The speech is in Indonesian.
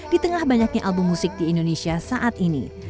di tengah banyaknya album musik di indonesia saat ini